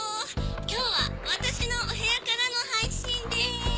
今日は私のお部屋からの配信です。